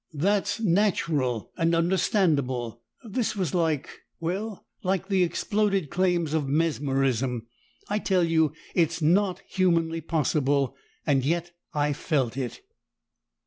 That's natural and understandable; this was like well, like the exploded claims of Mesmerism. I tell you, it's not humanly possible and yet I felt it!"